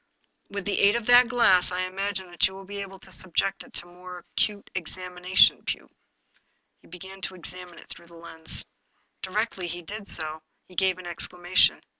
" With the aid of that glass I imagine that you will be able to subject it to a more acute examination, Pugh." He began to examine it through the lens. Directly he did so, he gave an exclamation.